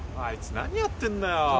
あいつ何やってんだよ？